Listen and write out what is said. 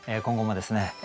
今後もですね